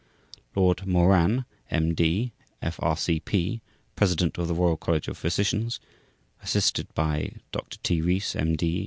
Lord Moran, M.D. F.R.C.P. President of the Royal College of Physicians, assisted by Dr. T. Rees, M.